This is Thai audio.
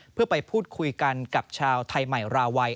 เพื่อไปพูดคุยกันกับชาวไทยใหม่ราวัย